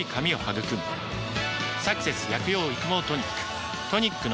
「サクセス薬用育毛トニック」